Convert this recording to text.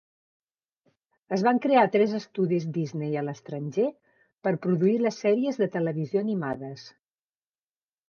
Es van crear tres estudis Disney a l'estranger per produir les sèries de televisió animades.